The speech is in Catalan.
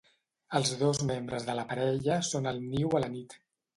Els dos membres de la parella són al niu a la nit.